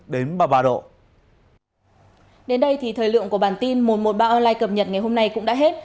đến đây thì thời lượng của bản tin một trăm một mươi ba online cập nhật ngày hôm nay cũng đã hết